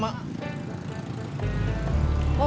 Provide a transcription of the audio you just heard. mana mungkin dia punya kema